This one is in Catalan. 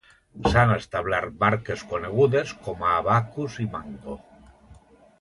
S'han establert marques conegudes com a Abacus i Mango.